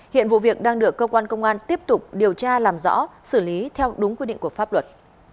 hiện vụ việc đang được cơ quan công an tiếp tục điều tra làm rõ xử lý theo đúng quy định của pháp luật